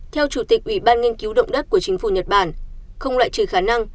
theo chủ tịch ủy ban nghiên cứu động đất của chính phủ nhật bản không loại trừ khả năng